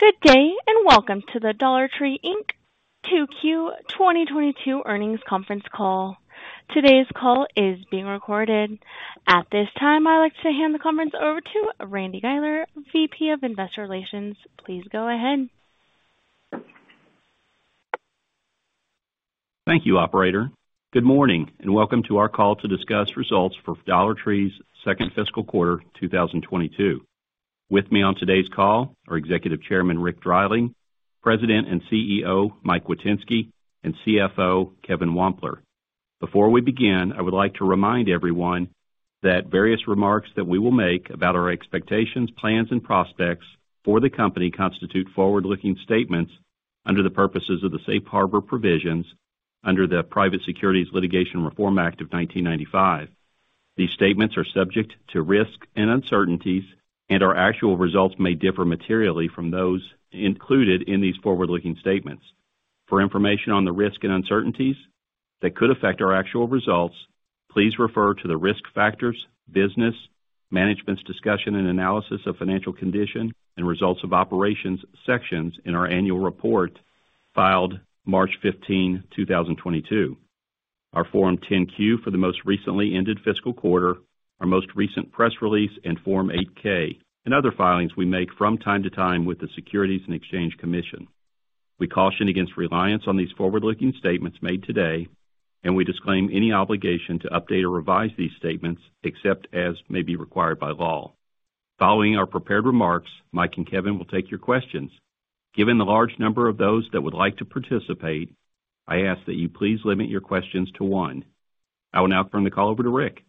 Good day, and welcome to the Dollar Tree, Inc. 2Q 2022 earnings conference call. Today's call is being recorded. At this time, I'd like to hand the conference over to Randy Guiler, Vice President of Investor Relations. Please go ahead. Thank you, operator. Good morning, and welcome to our call to discuss results for Dollar Tree's second fiscal quarter 2022. With me on today's call are Executive Chairman, Rick Dreiling, President and Chief Executive Officer, Mike Witynski, and Chief Financial Officer, Kevin Wampler. Before we begin, I would like to remind everyone that various remarks that we will make about our expectations, plans, and prospects for the company constitute forward-looking statements under the purposes of the safe harbor provisions under the Private Securities Litigation Reform Act of 1995. These statements are subject to risks and uncertainties, and our actual results may differ materially from those included in these forward-looking statements. For information on the risks and uncertainties that could affect our actual results, please refer to the Risk Factors, Business, Management's Discussion and Analysis of Financial Condition, and Results of Operations sections in our annual report filed March 15, 2022, our Form 10-Q for the most recently ended fiscal quarter, our most recent press release, and Form 8-K, and other filings we make from time to time with the Securities and Exchange Commission. We caution against reliance on these forward-looking statements made today, and we disclaim any obligation to update or revise these statements except as may be required by law. Following our prepared remarks, Mike and Kevin will take your questions. Given the large number of those that would like to participate, I ask that you please limit your questions to one. I will now turn the call over to Rick.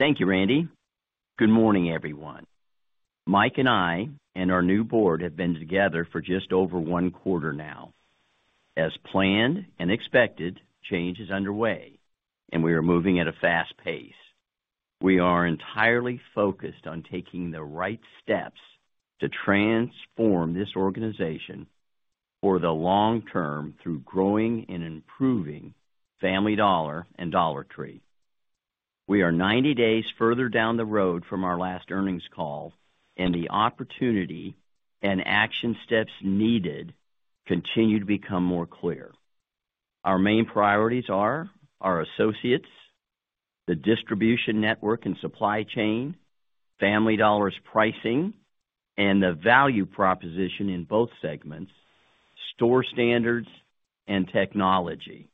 Thank you, Randy. Good morning, everyone. Mike and I, and our new board have been together for just over one quarter now. As planned and expected, change is underway, and we are moving at a fast pace. We are entirely focused on taking the right steps to transform this organization for the long term through growing and improving Family Dollar and Dollar Tree. We are 90 days further down the road from our last earnings call, and the opportunity and action steps needed continue to become more clear. Our main priorities are our associates, the distribution network and supply chain, Family Dollar's pricing, and the value proposition in both segments, store standards, and technology.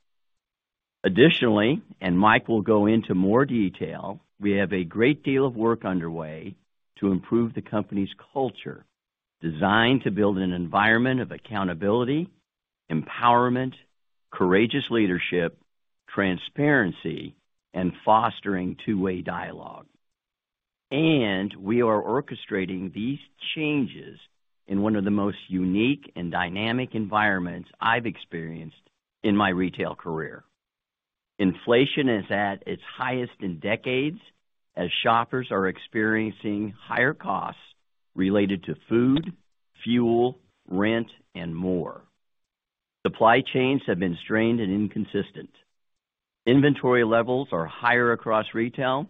Additionally, and Mike will go into more detail, we have a great deal of work underway to improve the company's culture, designed to build an environment of accountability, empowerment, courageous leadership, transparency, and fostering two-way dialogue. We are orchestrating these changes in one of the most unique and dynamic environments I've experienced in my retail career. Inflation is at its highest in decades, as shoppers are experiencing higher costs related to food, fuel, rent, and more. Supply chains have been strained and inconsistent. Inventory levels are higher across retail,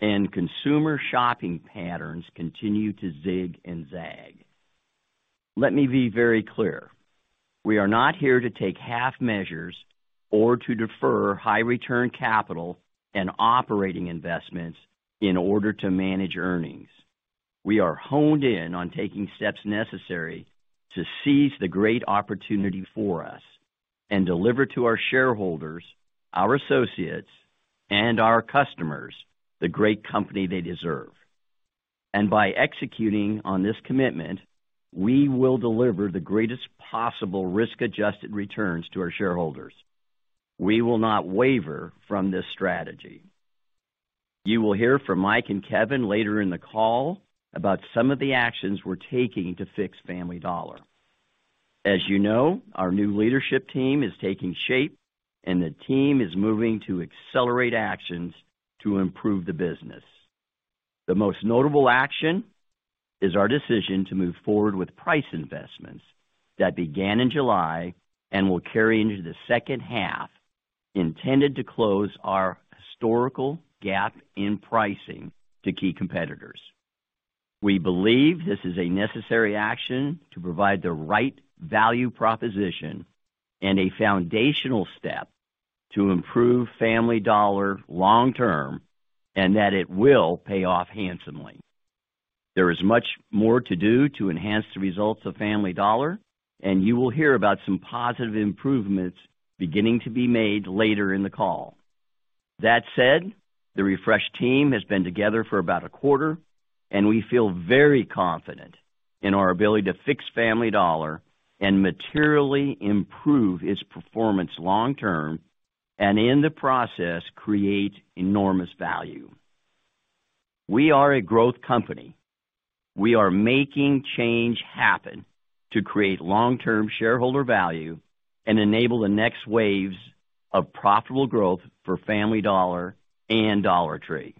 and consumer shopping patterns continue to zig and zag. Let me be very clear. We are not here to take half measures or to defer high return capital and operating investments in order to manage earnings. We are honed in on taking steps necessary to seize the great opportunity for us and deliver to our shareholders, our associates, and our customers, the great company they deserve. By executing on this commitment, we will deliver the greatest possible risk-adjusted returns to our shareholders. We will not waver from this strategy. You will hear from Mike and Kevin later in the call about some of the actions we're taking to fix Family Dollar. As you know, our new leadership team is taking shape, and the team is moving to accelerate actions to improve the business. The most notable action is our decision to move forward with price investments that began in July and will carry into the second half, intended to close our historical gap in pricing to key competitors. We believe this is a necessary action to provide the right value proposition and a foundational step to improve Family Dollar long term, and that it will pay off handsomely. There is much more to do to enhance the results of Family Dollar, and you will hear about some positive improvements beginning to be made later in the call. That said, the refreshed team has been together for about a quarter, and we feel very confident in our ability to fix Family Dollar and materially improve its performance long term and, in the process, create enormous value. We are a growth company. We are making change happen to create long-term shareholder value and enable the next waves of profitable growth for Family Dollar and Dollar Tree.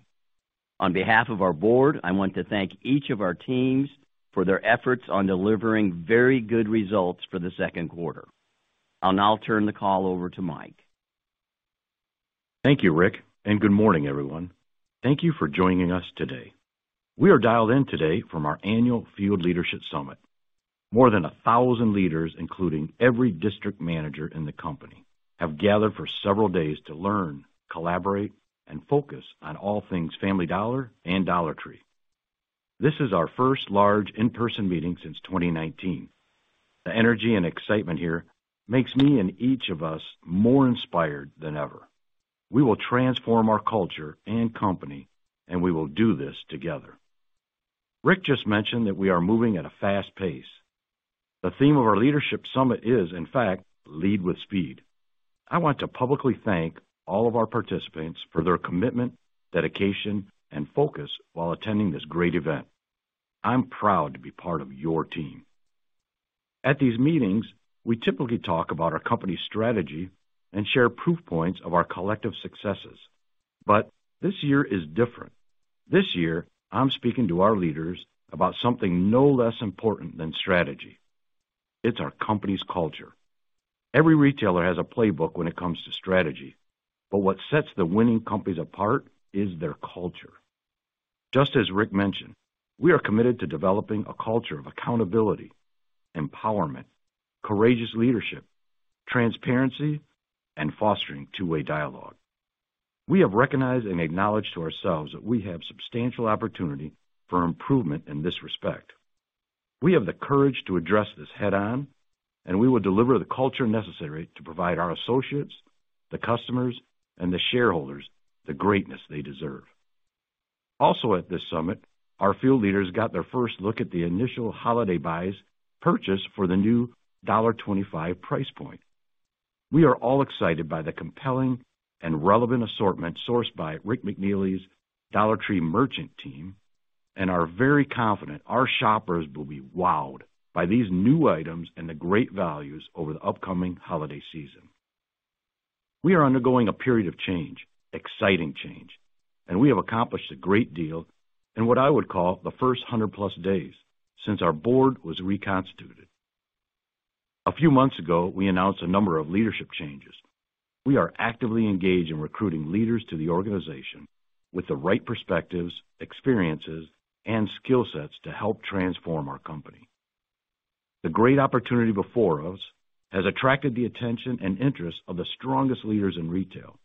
On behalf of our board, I want to thank each of our teams for their efforts on delivering very good results for the Q2. I'll now turn the call over to Mike. Thank you, Rick, and good morning, everyone. Thank you for joining us today. We are dialed in today from our annual Field Leadership Summit. More than 1,000 leaders, including every district manager in the company, have gathered for several days to learn, collaborate, and focus on all things Family Dollar and Dollar Tree. This is our first large in-person meeting since 2019. The energy and excitement here makes me and each of us more inspired than ever. We will transform our culture and company, and we will do this together. Rick just mentioned that we are moving at a fast pace. The theme of our leadership summit is, in fact, Lead with Speed. I want to publicly thank all of our participants for their commitment, dedication, and focus while attending this great event. I'm proud to be part of your team. At these meetings, we typically talk about our company strategy and share proof points of our collective successes. This year is different. This year, I'm speaking to our leaders about something no less important than strategy. It's our company's culture. Every retailer has a playbook when it comes to strategy, but what sets the winning companies apart is their culture. Just as Rick mentioned, we are committed to developing a culture of accountability, empowerment, courageous leadership, transparency, and fostering two-way dialogue. We have recognized and acknowledged to ourselves that we have substantial opportunity for improvement in this respect. We have the courage to address this head-on, and we will deliver the culture necessary to provide our associates, the customers, and the shareholders the greatness they deserve. Also at this summit, our field leaders got their first look at the initial holiday buys purchase for the new $1.25 price point. We are all excited by the compelling and relevant assortment sourced by Rick McNeely's Dollar Tree merchant team and are very confident our shoppers will be wowed by these new items and the great values over the upcoming holiday season. We are undergoing a period of change, exciting change, and we have accomplished a great deal in what I would call the first 100+ days since our board was reconstituted. A few months ago, we announced a number of leadership changes. We are actively engaged in recruiting leaders to the organization with the right perspectives, experiences, and skill sets to help transform our company. The great opportunity before us has attracted the attention and interest of the strongest leaders in retail.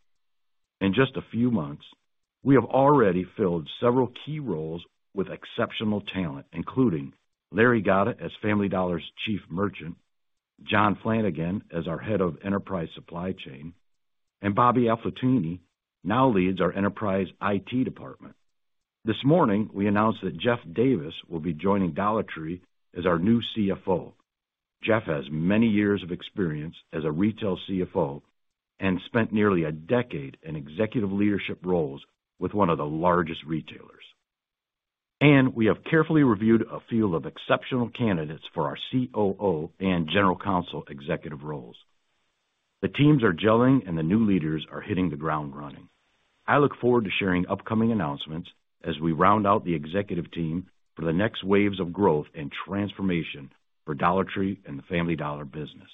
In just a few months, we have already filled several key roles with exceptional talent, including Larry Gatta as Family Dollar's Chief Merchant, John Flanigan as our Head of Enterprise Supply Chain, and Bobby Aflatooni now leads our enterprise IT department. This morning, we announced that Jeff Davis will be joining Dollar Tree as our new Chief Financial Officer. Jeff has many years of experience as a retail Chief Financial Officer and spent nearly a decade in executive leadership roles with one of the largest retailers. We have carefully reviewed a field of exceptional candidates for our Chief Operating Officer and General Counsel executive roles. The teams are gelling, and the new leaders are hitting the ground running. I look forward to sharing upcoming announcements as we round out the executive team for the next waves of growth and transformation for Dollar Tree and the Family Dollar business.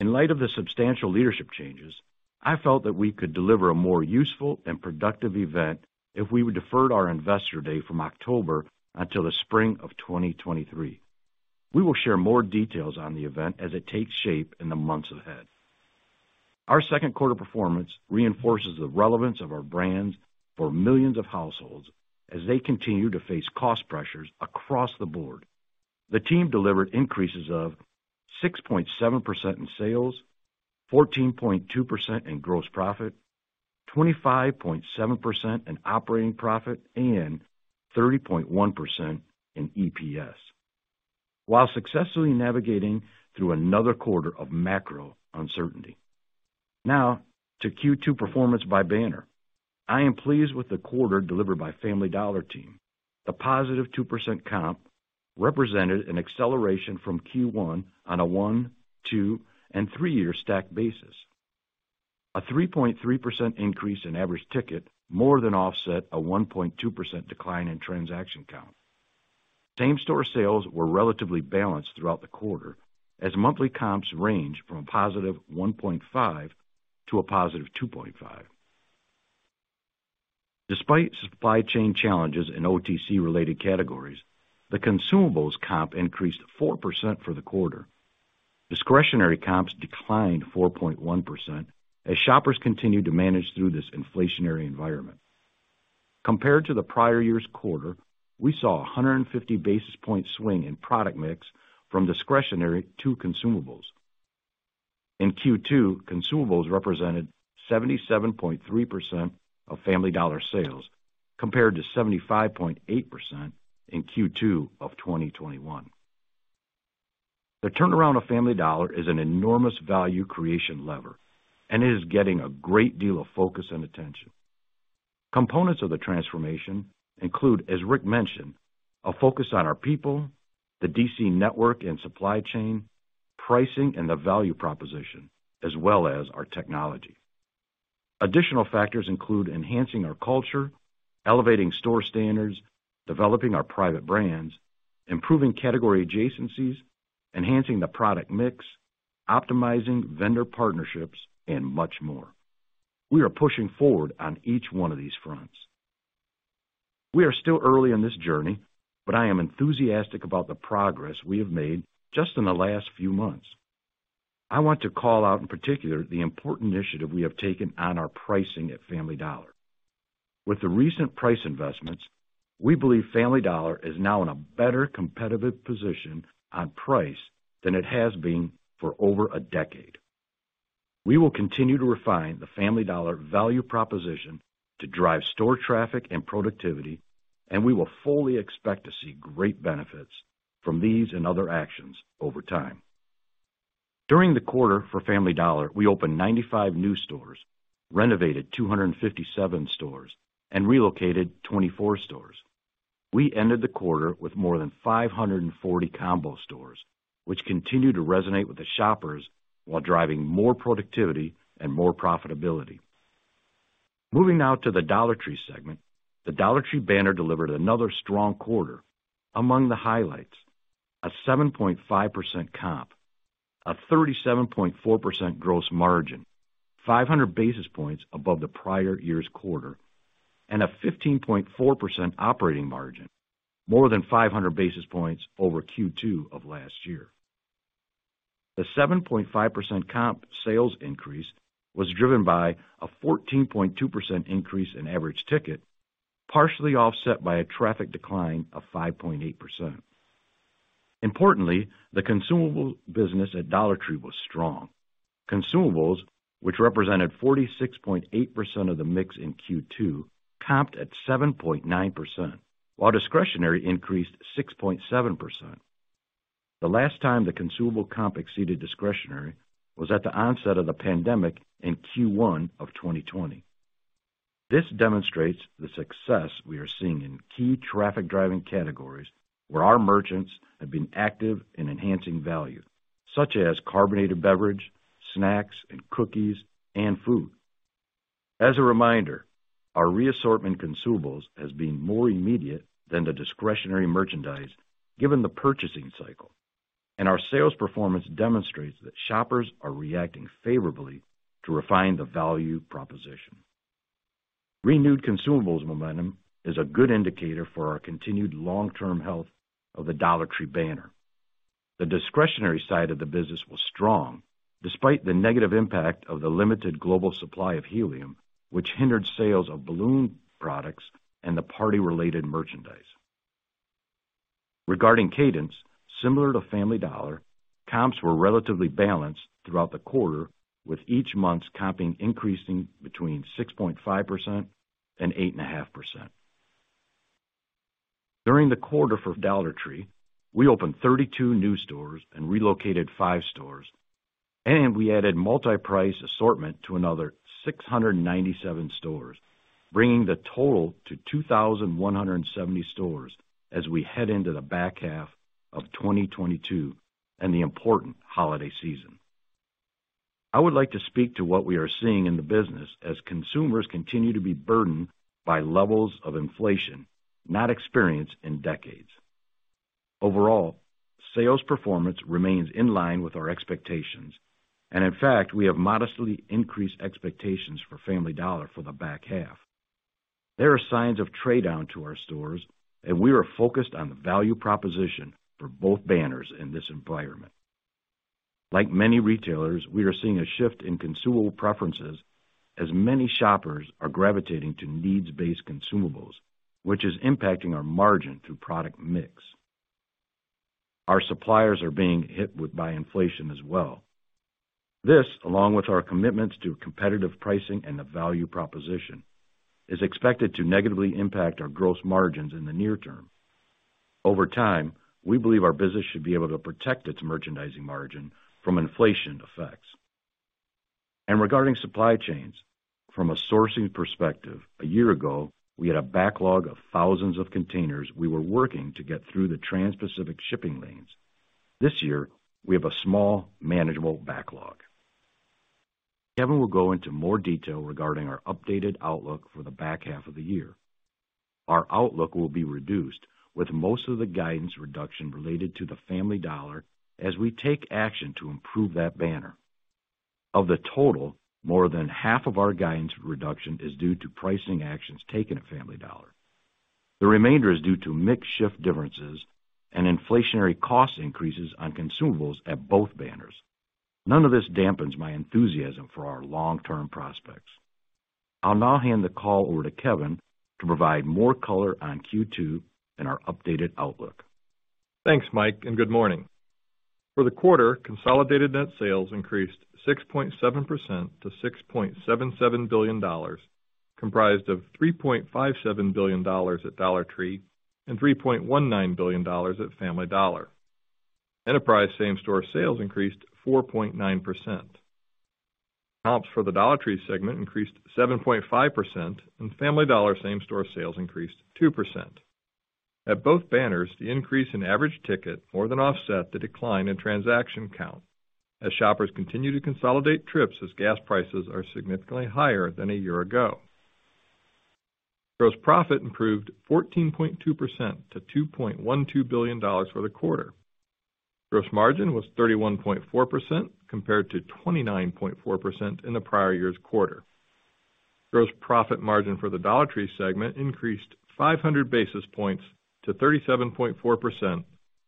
In light of the substantial leadership changes, I felt that we could deliver a more useful and productive event if we would defer our Investor Day from October until the spring of 2023. We will share more details on the event as it takes shape in the months ahead. Our Q2 performance reinforces the relevance of our brands for millions of households as they continue to face cost pressures across the board. The team delivered increases of 6.7% in sales, 14.2% in gross profit, 25.7% in operating profit, and 30.1% in EPS, while successfully navigating through another quarter of macro uncertainty. Now to Q2 performance by banner. I am pleased with the quarter delivered by Family Dollar team. The +2% comp represented an acceleration from Q1 on a one, two, and three-year stacked basis. A 3.3% increase in average ticket more than offset a 1.2% decline in transaction count. Same-store sales were relatively balanced throughout the quarter as monthly comps range from +1.5% to +2.5%. Despite supply chain challenges in OTC-related categories, the consumables comp increased 4% for the quarter. Discretionary comps declined 4.1% as shoppers continued to manage through this inflationary environment. Compared to the prior year's quarter, we saw a 150 basis point swing in product mix from discretionary to consumables. In Q2, consumables represented 77.3% of Family Dollar sales, compared to 75.8% in Q2 of 2021. The turnaround of Family Dollar is an enormous value creation lever and it is getting a great deal of focus and attention. Components of the transformation include, as Rick mentioned, a focus on our people, the DC network and supply chain, pricing and the value proposition, as well as our technology. Additional factors include enhancing our culture, elevating store standards, developing our private brands, improving category adjacencies, enhancing the product mix, optimizing vendor partnerships, and much more. We are pushing forward on each one of these fronts. We are still early in this journey, but I am enthusiastic about the progress we have made just in the last few months. I want to call out in particular the important initiative we have taken on our pricing at Family Dollar. With the recent price investments, we believe Family Dollar is now in a better competitive position on price than it has been for over a decade. We will continue to refine the Family Dollar value proposition to drive store traffic and productivity, and we will fully expect to see great benefits from these and other actions over time. During the quarter for Family Dollar, we opened 95 new stores, renovated 257 stores, and relocated 24 stores. We ended the quarter with more than 540 Combo stores, which continue to resonate with the shoppers while driving more productivity and more profitability. Moving now to the Dollar Tree segment. The Dollar Tree banner delivered another strong quarter. Among the highlights, a 7.5% comp, a 37.4% gross margin, 500 basis points above the prior year's quarter, and a 15.4% operating margin, more than 500 basis points over Q2 of last year. The 7.5% comp sales increase was driven by a 14.2% increase in average ticket, partially offset by a traffic decline of 5.8%. Importantly, the consumable business at Dollar Tree was strong. Consumables, which represented 46.8% of the mix in Q2, comped at 7.9%, while discretionary increased 6.7%. The last time the consumable comp exceeded discretionary was at the onset of the pandemic in Q1 of 2020. This demonstrates the success we are seeing in key traffic-driving categories where our merchants have been active in enhancing value, such as carbonated beverage, snacks and cookies, and food. As a reminder, our reassortment consumables has been more immediate than the discretionary merchandise given the purchasing cycle, and our sales performance demonstrates that shoppers are reacting favorably to refine the value proposition. Renewed consumables momentum is a good indicator for our continued long-term health of the Dollar Tree banner. The discretionary side of the business was strong despite the negative impact of the limited global supply of helium, which hindered sales of balloon products and the party-related merchandise. Regarding cadence, similar to Family Dollar, comps were relatively balanced throughout the quarter, with each month's comping increasing between 6.5% and 8.5%. During the quarter for Dollar Tree, we opened 32 new stores and relocated five stores, and we added multi-price assortment to another 697 stores, bringing the total to 2,170 stores as we head into the back half of 2022 and the important holiday season. I would like to speak to what we are seeing in the business as consumers continue to be burdened by levels of inflation not experienced in decades. Overall, sales performance remains in line with our expectations, and in fact, we have modestly increased expectations for Family Dollar for the back half. There are signs of trade down to our stores, and we are focused on the value proposition for both banners in this environment. Like many retailers, we are seeing a shift in consumable preferences as many shoppers are gravitating to needs-based consumables, which is impacting our margin through product mix. Our suppliers are being hit by inflation as well. This, along with our commitments to competitive pricing and the value proposition, is expected to negatively impact our gross margins in the near term. Over time, we believe our business should be able to protect its merchandising margin from inflation effects. Regarding supply chains, from a sourcing perspective, a year ago, we had a backlog of thousands of containers we were working to get through the Transpacific shipping lanes. This year, we have a small, manageable backlog. Kevin will go into more detail regarding our updated outlook for the back half of the year. Our outlook will be reduced with most of the guidance reduction related to the Family Dollar as we take action to improve that banner. Of the total, more than half of our guidance reduction is due to pricing actions taken at Family Dollar. The remainder is due to mix shift differences and inflationary cost increases on consumables at both banners. None of this dampens my enthusiasm for our long-term prospects. I'll now hand the call over to Kevin to provide more color on Q2 and our updated outlook. Thanks, Mike, and good morning. For the quarter, consolidated net sales increased 6.7% to $6.77 billion, comprised of $3.57 billion at Dollar Tree and $3.19 billion at Family Dollar. Enterprise same-store sales increased 4.9%. Comps for the Dollar Tree segment increased 7.5% and Family Dollar same-store sales increased 2%. At both banners, the increase in average ticket more than offset the decline in transaction count as shoppers continue to consolidate trips as gas prices are significantly higher than a year ago. Gross profit improved 14.2% to $2.12 billion for the quarter. Gross margin was 31.4% compared to 29.4% in the prior year's quarter. Gross profit margin for the Dollar Tree segment increased 500 basis points to 37.4%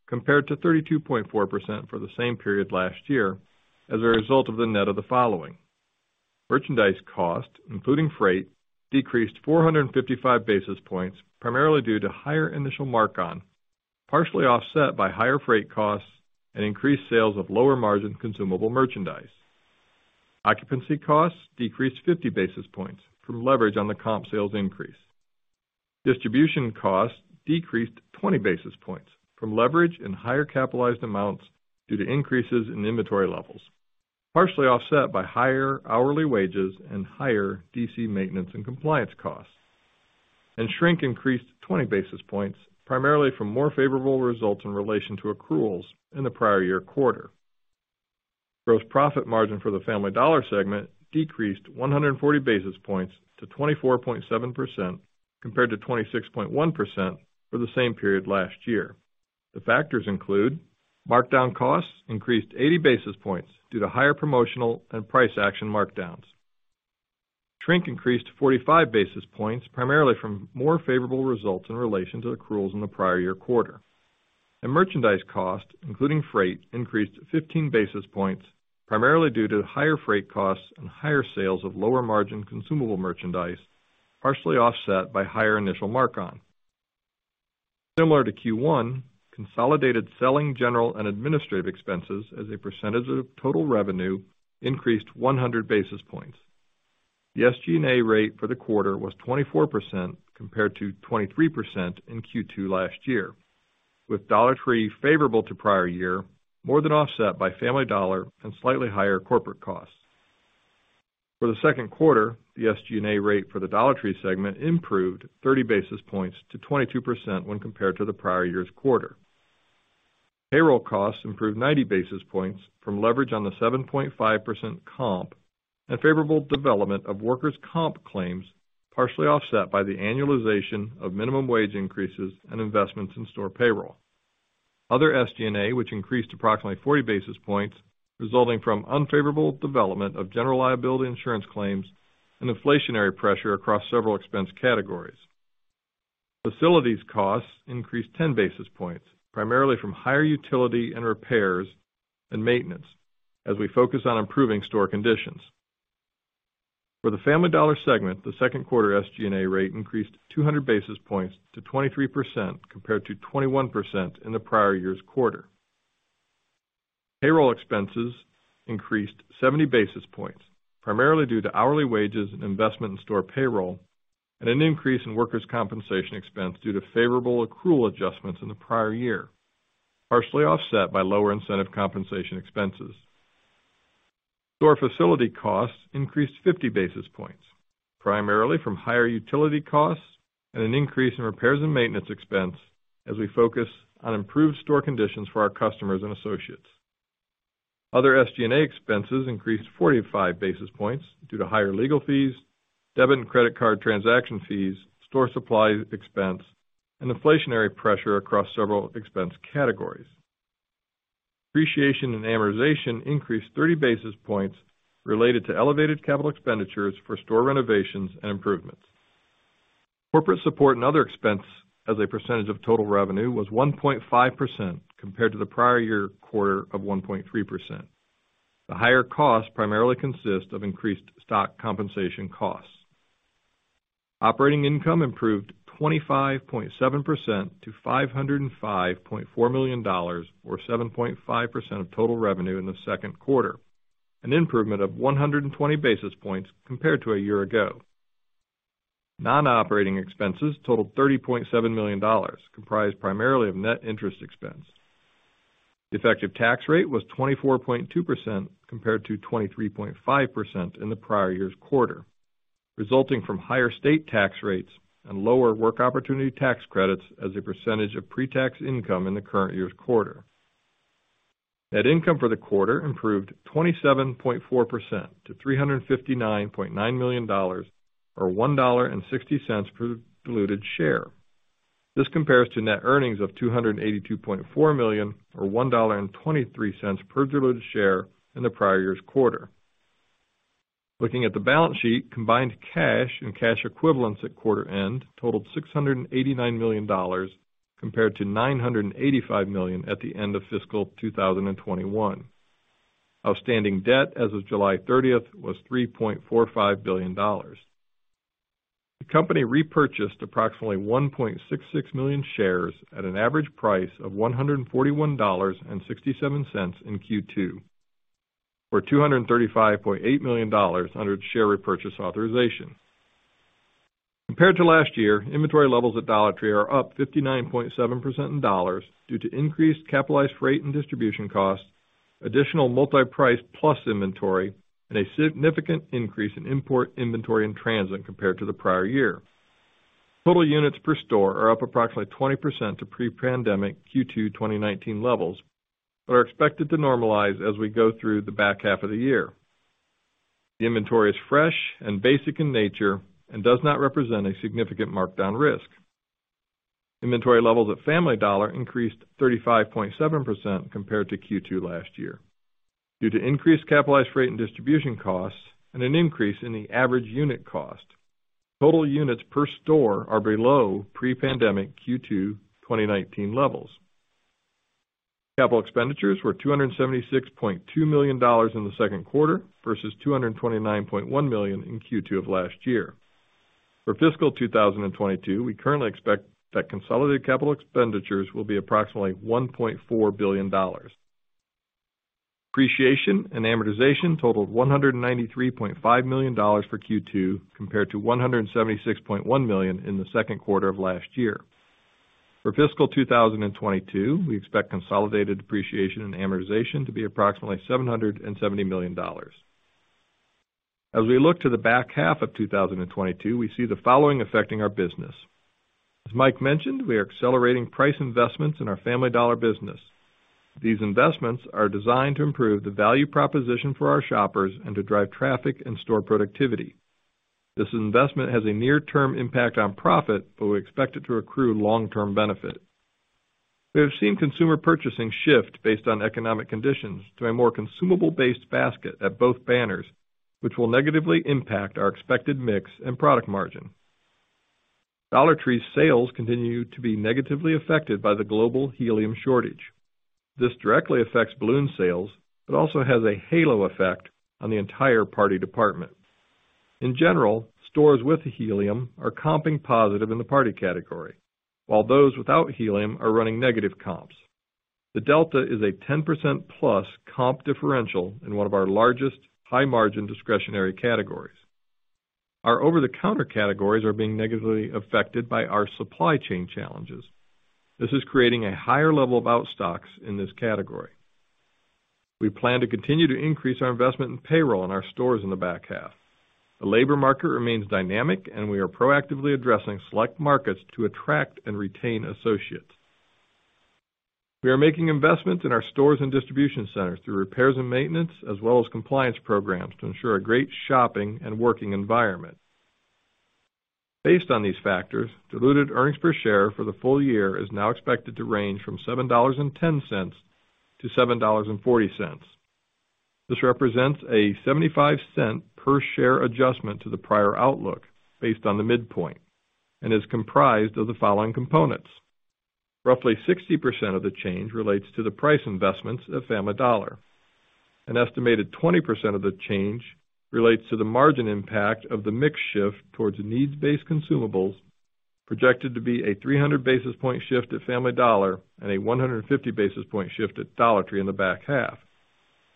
compared to 32.4% for the same period last year as a result of the net of the following. Merchandise costs, including freight, decreased 455 basis points, primarily due to higher initial markup, partially offset by higher freight costs and increased sales of lower-margin consumable merchandise. Occupancy costs decreased 50 basis points from leverage on the comp sales increase. Distribution costs decreased 20 basis points from leverage in higher capitalized amounts due to increases in inventory levels, partially offset by higher hourly wages and higher DC maintenance and compliance costs. Shrink increased 20 basis points, primarily from more favorable results in relation to accruals in the prior year quarter. Gross profit margin for the Family Dollar segment decreased 140 basis points to 24.7% compared to 26.1% for the same period last year. The factors include markdown costs increased 80 basis points due to higher promotional and price action markdowns. Shrink increased 45 basis points, primarily from more favorable results in relation to accruals in the prior year quarter. Merchandise costs, including freight, increased 15 basis points, primarily due to higher freight costs and higher sales of lower-margin consumable merchandise, partially offset by higher initial markup. Similar to Q1, consolidated selling, general, and administrative expenses as a percentage of total revenue increased 100 basis points. The SG&A rate for the quarter was 24% compared to 23% in Q2 last year, with Dollar Tree favorable to prior year more than offset by Family Dollar and slightly higher corporate costs. For the Q2, the SG&A rate for the Dollar Tree segment improved 30 basis points to 22% when compared to the prior year's quarter. Payroll costs improved 90 basis points from leverage on the 7.5% comp and favorable development of workers' comp claims, partially offset by the annualization of minimum wage increases and investments in store payroll. Other SG&A, which increased approximately 40 basis points, resulting from unfavorable development of general liability insurance claims and inflationary pressure across several expense categories. Facilities costs increased 10 basis points, primarily from higher utility and repairs and maintenance as we focus on improving store conditions. For the Family Dollar segment, the Q2 SG&A rate increased 200 basis points to 23% compared to 21% in the prior year's quarter. Payroll expenses increased 70 basis points, primarily due to hourly wages and investment in store payroll and an increase in workers' compensation expense due to favorable accrual adjustments in the prior year, partially offset by lower incentive compensation expenses. Store facility costs increased 50 basis points, primarily from higher utility costs and an increase in repairs and maintenance expense as we focus on improved store conditions for our customers and associates. Other SG&A expenses increased 45 basis points due to higher legal fees, debit and credit card transaction fees, store supply expense, and inflationary pressure across several expense categories. Depreciation and amortization increased 30 basis points related to elevated capital expenditures for store renovations and improvements. Corporate support and other expense as a percentage of total revenue was 1.5% compared to the prior year quarter of 1.3%. The higher costs primarily consist of increased stock compensation costs. Operating income improved 25.7% to $505.4 million or 7.5% of total revenue in the Q2, an improvement of 120 basis points compared to a year ago. Non-operating expenses totaled $30.7 million, comprised primarily of net interest expense. The effective tax rate was 24.2% compared to 23.5% in the prior year's quarter, resulting from higher state tax rates and lower work opportunity tax credits as a percentage of pre-tax income in the current year's quarter. Net income for the quarter improved 27.4% to $359.9 million or $1.60 per diluted share. This compares to net earnings of $282.4 million or $1.23 per diluted share in the prior year's quarter. Looking at the balance sheet, combined cash and cash equivalents at quarter end totaled $689 million compared to $985 million at the end of fiscal 2021. Outstanding debt as of July 30th was $3.45 billion. The company repurchased approximately 1.66 million shares at an average price of $141.67 in Q2, or $235.8 million under its share repurchase authorization. Compared to last year, inventory levels at Dollar Tree are up 59.7% in dollars due to increased capitalized freight and distribution costs, additional multi-priced plus inventory, and a significant increase in import inventory in transit compared to the prior year. Total units per store are up approximately 20% to pre-pandemic Q2 2019 levels, but are expected to normalize as we go through the back half of the year. The inventory is fresh and basic in nature and does not represent a significant markdown risk. Inventory levels at Family Dollar increased 35.7% compared to Q2 last year. Due to increased capitalized freight and distribution costs and an increase in the average unit cost, total units per store are below pre-pandemic Q2 2019 levels. Capital expenditures were $276.2 million in the Q2 versus $229.1 million in Q2 of last year. For fiscal 2022, we currently expect that consolidated capital expenditures will be approximately $1.4 billion. Depreciation and amortization totaled $193.5 million for Q2 compared to $176.1 million in the Q2 of last year. For fiscal 2022, we expect consolidated depreciation and amortization to be approximately $770 million. As we look to the back half of 2022, we see the following affecting our business. As Mike mentioned, we are accelerating price investments in our Family Dollar business. These investments are designed to improve the value proposition for our shoppers and to drive traffic and store productivity. This investment has a near-term impact on profit, but we expect it to accrue long-term benefit. We have seen consumer purchasing shift based on economic conditions to a more consumable-based basket at both banners, which will negatively impact our expected mix and product margin. Dollar Tree sales continue to be negatively affected by the global helium shortage. This directly affects balloon sales but also has a halo effect on the entire party department. In general, stores with helium are comping positive in the party category, while those without helium are running negative comps. The delta is a 10%+ comp differential in one of our largest high-margin discretionary categories. Our over-the-counter categories are being negatively affected by our supply chain challenges. This is creating a higher level of out stocks in this category. We plan to continue to increase our investment in payroll in our stores in the back half. The labor market remains dynamic, and we are proactively addressing select markets to attract and retain associates. We are making investments in our stores and distribution centers through repairs and maintenance, as well as compliance programs, to ensure a great shopping and working environment. Based on these factors, diluted earnings per share for the full year is now expected to range from $7.10 to $7.40. This represents a $0.75 per share adjustment to the prior outlook based on the midpoint and is comprised of the following components. Roughly 60% of the change relates to the price investments of Family Dollar. An estimated 20% of the change relates to the margin impact of the mix shift towards needs-based consumables, projected to be a 300 basis point shift at Family Dollar and a 150 basis point shift at Dollar Tree in the back half.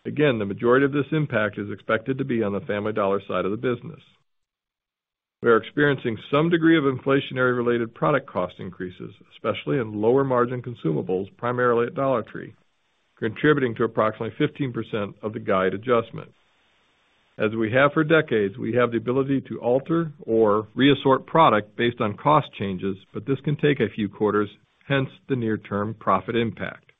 Again, the majority of this impact is expected to be on the Family Dollar side of the business. We are experiencing some degree of inflationary-related product cost increases, especially in lower-margin consumables, primarily at Dollar Tree, contributing to approximately 15% of the guide adjustment. As we have for decades, we have the ability to alter or re-assort product based on cost changes, but this can take a few quarters, hence the near-term profit impact.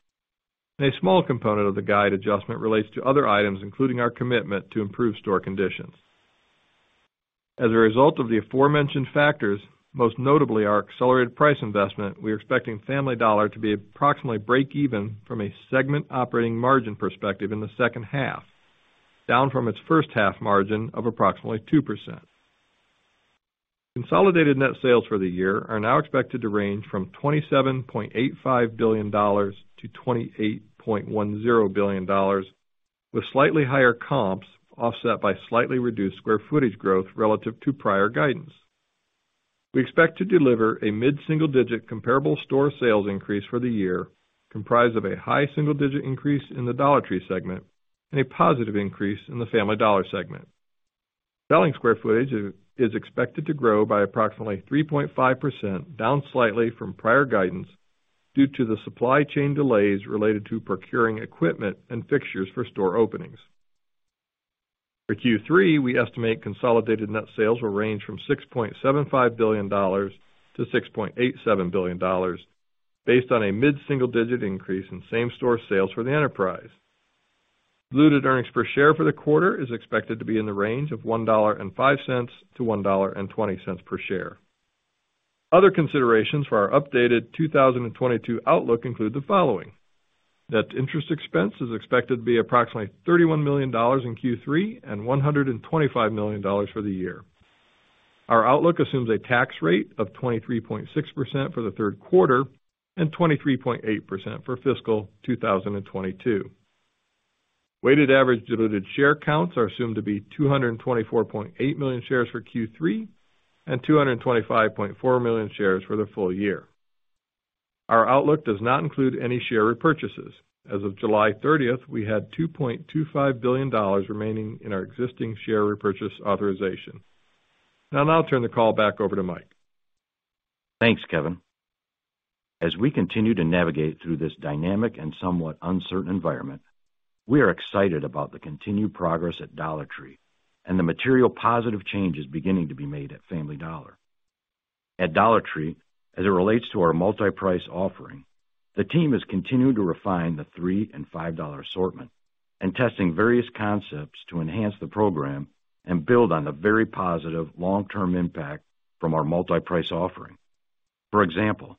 A small component of the guide adjustment relates to other items, including our commitment to improve store conditions. As a result of the aforementioned factors, most notably our accelerated price investment, we are expecting Family Dollar to be approximately break even from a segment operating margin perspective in the second half, down from its first half margin of approximately 2%. Consolidated net sales for the year are now expected to range from $27.85 billion-$28.10 billion, with slightly higher comps offset by slightly reduced square footage growth relative to prior guidance. We expect to deliver a mid-single-digit comparable store sales increase for the year, comprised of a high single-digit increase in the Dollar Tree segment and a positive increase in the Family Dollar segment. Selling square footage is expected to grow by approximately 3.5%, down slightly from prior guidance due to the supply chain delays related to procuring equipment and fixtures for store openings. For Q3, we estimate consolidated net sales will range from $6.75 billion-$6.87 billion based on a mid-single-digit increase in same-store sales for the enterprise. Diluted earnings per share for the quarter is expected to be in the range of $1.05-$1.20 per share. Other considerations for our updated 2022 outlook include the following. Net interest expense is expected to be approximately $31 million in Q3 and $125 million for the year. Our outlook assumes a tax rate of 23.6% for the Q3 and 23.8% for fiscal 2022. Weighted average diluted share counts are assumed to be 224.8 million shares for Q3 and 225.4 million shares for the full year. Our outlook does not include any share repurchases. As of July 30, we had $2.25 billion remaining in our existing share repurchase authorization. Now I'll turn the call back over to Mike. Thanks, Kevin. As we continue to navigate through this dynamic and somewhat uncertain environment, we are excited about the continued progress at Dollar Tree and the material positive changes beginning to be made at Family Dollar. At Dollar Tree, as it relates to our multi-price offering, the team has continued to refine the $3 and $5 assortment and testing various concepts to enhance the program and build on the very positive long-term impact from our multi-price offering. For example,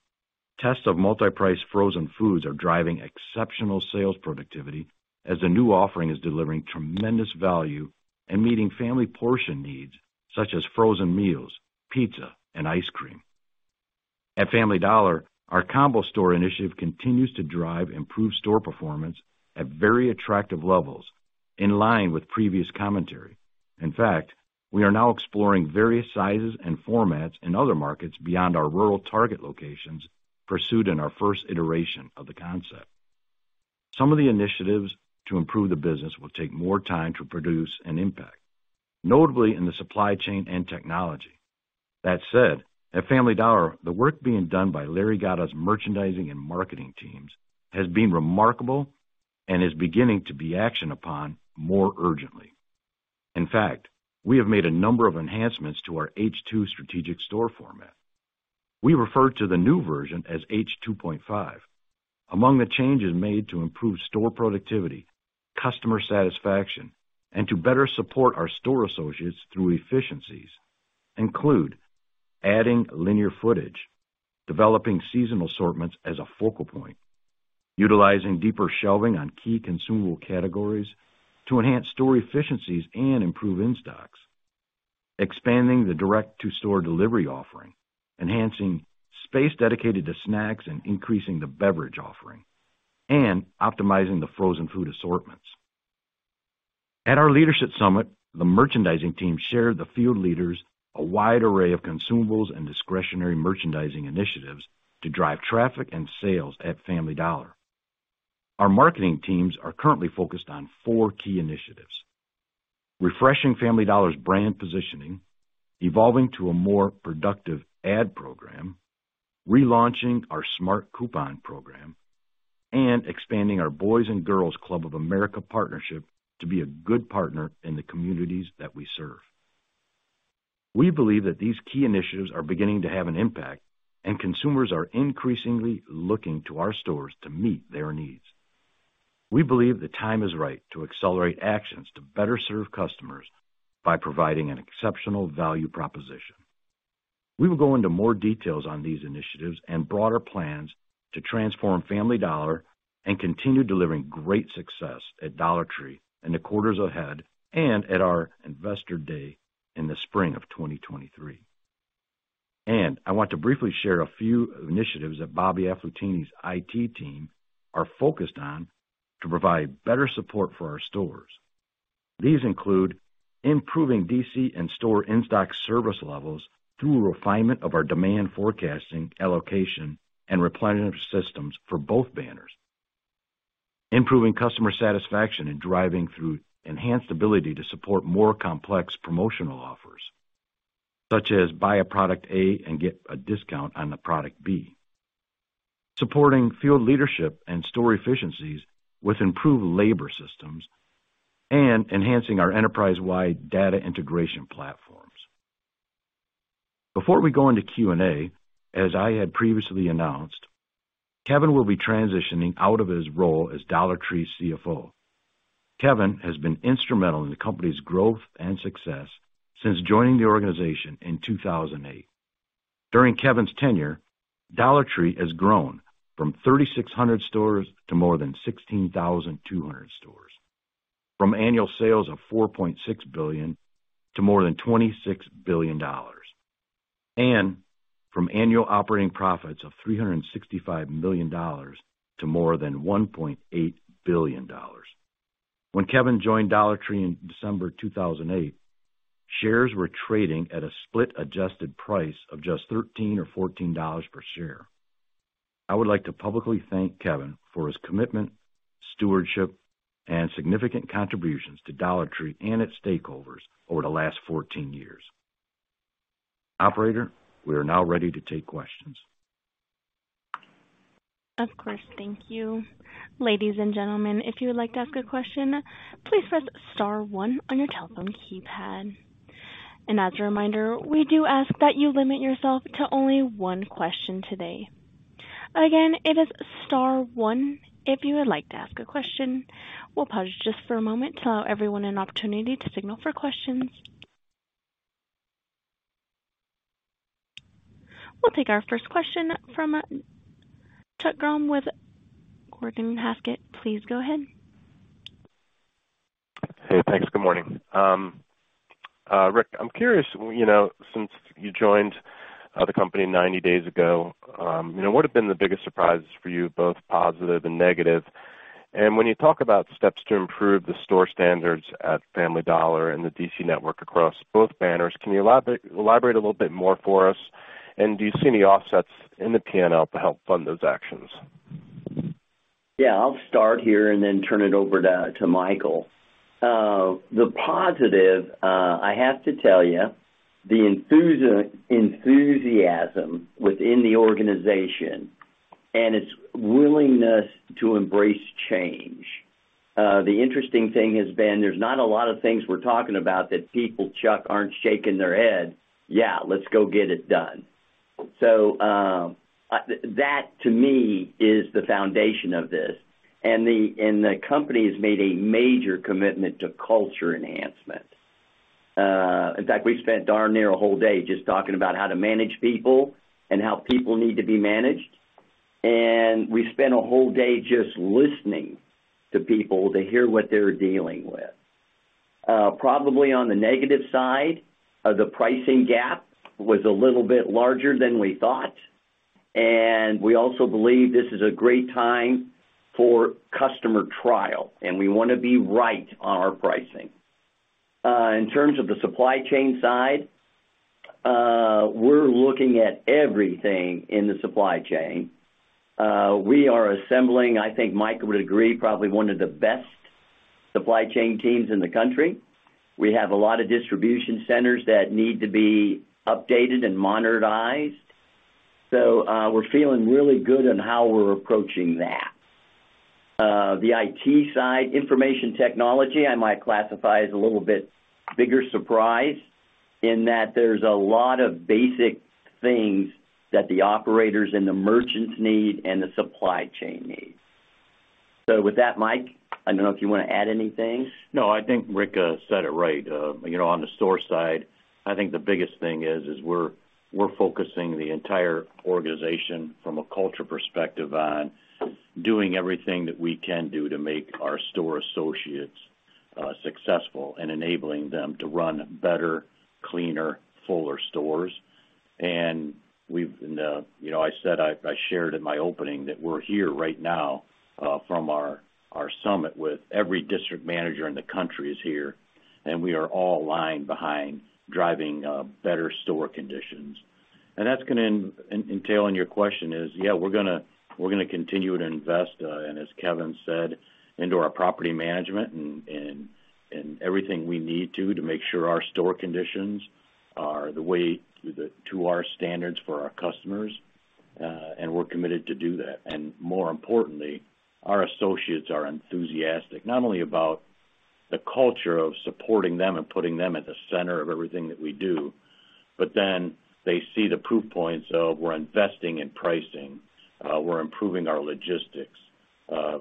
tests of multi-price frozen foods are driving exceptional sales productivity as the new offering is delivering tremendous value and meeting family portion needs such as frozen meals, pizza, and ice cream. At Family Dollar, our Combo Store initiative continues to drive improved store performance at very attractive levels in line with previous commentary. In fact, we are now exploring various sizes and formats in other markets beyond our rural target locations pursued in our first iteration of the concept. Some of the initiatives to improve the business will take more time to produce an impact, notably in the supply chain and technology. That said, at Family Dollar, the work being done by Larry Gatta's merchandising and marketing teams has been remarkable and is beginning to be actioned upon more urgently. In fact, we have made a number of enhancements to our H2 strategic store format. We refer to the new version as H2.5. Among the changes made to improve store productivity, customer satisfaction, and to better support our store associates through efficiencies include adding linear footage, developing seasonal assortments as a focal point, utilizing deeper shelving on key consumable categories to enhance store efficiencies and improve in-stocks, expanding the direct-to-store delivery offering, enhancing space dedicated to snacks, and increasing the beverage offering, and optimizing the frozen food assortments. At our leadership summit, the merchandising team shared the field leaders a wide array of consumables and discretionary merchandising initiatives to drive traffic and sales at Family Dollar. Our marketing teams are currently focused on four key initiatives, refreshing Family Dollar's brand positioning, evolving to a more productive ad program, relaunching our smart coupon program, and expanding our Boys & Girls Clubs of America partnership to be a good partner in the communities that we serve. We believe that these key initiatives are beginning to have an impact, and consumers are increasingly looking to our stores to meet their needs. We believe the time is right to accelerate actions to better serve customers by providing an exceptional value proposition. We will go into more details on these initiatives and broader plans to transform Family Dollar and continue delivering great success at Dollar Tree in the quarters ahead and at our investor day in the spring of 2023. I want to briefly share a few initiatives that Bobby Aflatooni's IT team are focused on to provide better support for our stores. These include improving DC and store in-stock service levels through refinement of our demand forecasting, allocation, and replenishment systems for both banners, improving customer satisfaction and driving through enhanced ability to support more complex promotional offers, such as buy a product A and get a discount on the product B, supporting field leadership and store efficiencies with improved labor systems, and enhancing our enterprise-wide data integration platforms. Before we go into Q&A, as I had previously announced, Kevin will be transitioning out of his role as Dollar Tree's Chief Financial Officer. Kevin has been instrumental in the company's growth and success since joining the organization in 2008. During Kevin's tenure, Dollar Tree has grown from 3,600 stores to more than 16,200 stores, from annual sales of $4.6 billion to more than $26 billion, and from annual operating profits of $365 million to more than $1.8 billion. When Kevin joined Dollar Tree in December 2008, shares were trading at a split-adjusted price of just $13 or $14 per share. I would like to publicly thank Kevin for his commitment, stewardship, and significant contributions to Dollar Tree and its stakeholders over the last 14 years. Operator, we are now ready to take questions. Of course. Thank you. Ladies and gentlemen, if you would like to ask a question, please press star one on your telephone keypad. As a reminder, we do ask that you limit yourself to only one question today. Again, it is star one if you would like to ask a question. We'll pause just for a moment to allow everyone an opportunity to signal for questions. We'll take our first question from Chuck Grom with Gordon Haskett. Please go ahead. Hey, thanks. Good morning. Rick, I'm curious, you know, since you joined the company 90 days ago, you know, what have been the biggest surprises for you, both positive and negative? And when you talk about steps to improve the store standards at Family Dollar and the DC network across both banners, can you elaborate a little bit more for us? And do you see any offsets in the P&L to help fund those actions? Yeah, I'll start here and then turn it over to Michael. The positive, I have to tell you, the enthusiasm within the organization and its willingness to embrace change. The interesting thing has been there's not a lot of things we're talking about that people, Chuck, aren't shaking their head, "Yeah, let's go get it done." That to me is the foundation of this. The company has made a major commitment to culture enhancement. In fact, we spent darn near a whole day just talking about how to manage people and how people need to be managed. We spent a whole day just listening to people to hear what they're dealing with. Probably on the negative side, the pricing gap was a little bit larger than we thought, and we also believe this is a great time for customer trial, and we wanna be right on our pricing. In terms of the supply chain side, we're looking at everything in the supply chain. We are assembling, I think Mike would agree, probably one of the best supply chain teams in the country. We have a lot of distribution centers that need to be updated and modernized. We're feeling really good on how we're approaching that. The IT side, information technology, I might classify as a little bit bigger surprise in that there's a lot of basic things that the operators and the merchants need and the supply chain needs. With that, Mike, I don't know if you wanna add anything. No, I think Rick said it right. You know, on the store side, I think the biggest thing is we're focusing the entire organization from a culture perspective on doing everything that we can do to make our store associates successful in enabling them to run better, cleaner, fuller stores. We've, you know, I said I shared in my opening that we're here right now from our summit with every district manager in the country is here, and we are all aligned behind driving better store conditions. That's gonna entail in your question is, yeah, we're gonna continue to invest, and as Kevin said, into our property management and everything we need to make sure our store conditions are the way to our standards for our customers, and we're committed to do that. More importantly, our associates are enthusiastic, not only about the culture of supporting them and putting them at the center of everything that we do, but then they see the proof points of we're investing in pricing, we're improving our logistics.